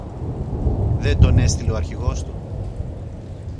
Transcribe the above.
Δεν τον έστειλε ο Αρχηγός του;